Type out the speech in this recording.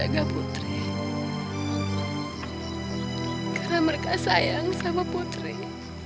harus nunggu nangkut sudah